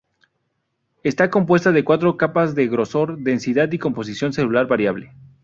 Está compuesta de cuatro capas de grosor, densidad y composición celular variable.